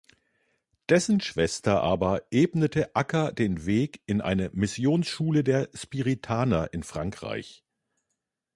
Dessen Schwester aber ebnete Acker den Weg in eine Missionsschule der Spiritaner in Frankreich.